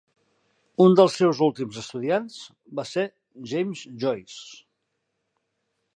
Un dels seus últims estudiants va ser James Joyce.